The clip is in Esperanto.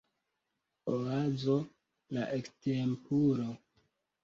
Oazo la ekstempulo